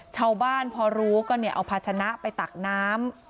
ชาวบ้านพอรู้ก็เอาภาชนะไปตักน้ำ